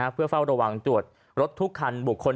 เพื่อเฝ้าระวังตรวจรถทุกคันบุคคล